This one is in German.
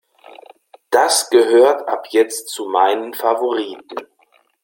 Das gehört ab jetzt zu meinen Favoriten.